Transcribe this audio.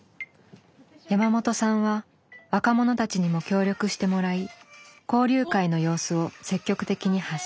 山本さんは若者たちにも協力してもらい交流会の様子を積極的に発信。